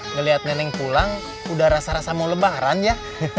ngelihat neneng pulang udah rasa rasa mau lebaran ya